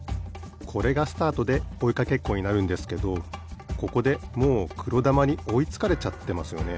これがスタートでおいかけっこになるんですけどここでもうくろだまにおいつかれちゃってますよね。